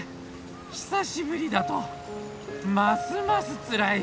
久しぶりだとますますつらい。